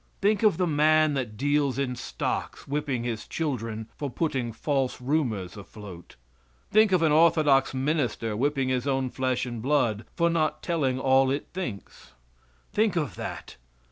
Think of the man that deals in stocks whipping his children for putting false rumors afloat! Think of an orthodox minister whipping his own flesh and blood, for not telling all it thinks! Think of that!